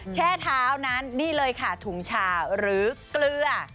แช่เท้านั้นนี่เลยค่ะถุงชาหรือเกลือ